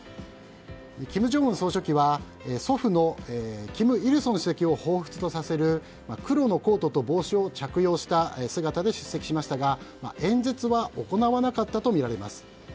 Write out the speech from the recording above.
金正恩総書記は祖父の金日成主席をほうふつとさせる黒のコートと帽子を着用した姿で出席しましたが演説は行わなかったとみられます。